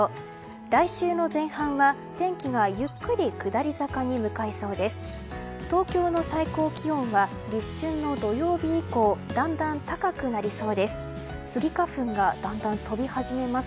来週の前半は天気がゆっくり下り坂に向かいそうです。